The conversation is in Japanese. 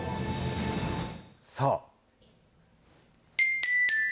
さあ。